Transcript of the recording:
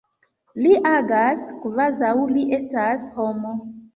Li agas kvazaŭ li estas homo.